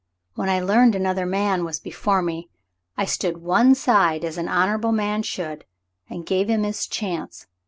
When I learned another man was before me, I stood one side as an honorable man should and gave him his chance.